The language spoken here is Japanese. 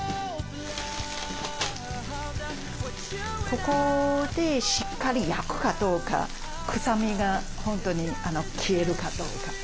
ここでしっかり焼くかどうか臭みが消えるかどうか。